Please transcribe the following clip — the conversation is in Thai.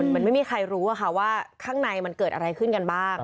มันไม่มีใครรู้ว่าข้างในมันเกิดอะไรขึ้นกันบ้าง